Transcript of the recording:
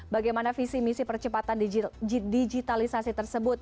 bagaimana visi misi percepatan digitalisasi tersebut